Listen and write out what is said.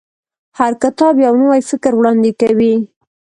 هر کتاب یو نوی فکر وړاندې کوي.